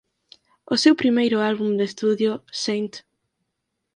O seu primeiro álbum de estudio "St.